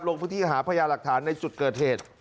ลงพฤติหาพญาหรักฐานในจุดเกิดเหตุ